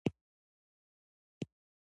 د کابل په خاک جبار کې د څه شي نښې دي؟